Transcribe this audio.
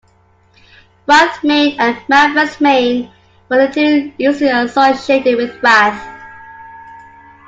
Wath Main and Manvers Main were the two usually associated with Wath.